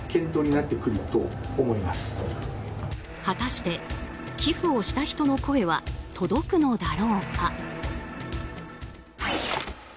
果たして、寄付をした人の声は届くのだろうか。